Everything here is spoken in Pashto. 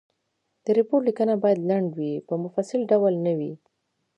د ریپورټ لیکنه باید لنډ وي په مفصل ډول نه وي.